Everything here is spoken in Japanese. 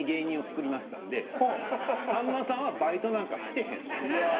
「さんまさんはバイトなんかしてへん」と。